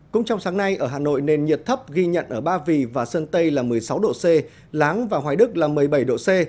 cũng trong sáng nay ở hà nội nền nhiệt thấp ghi nhận ở ba vì và sơn tây là một mươi sáu độ c láng và hoài đức là một mươi bảy độ c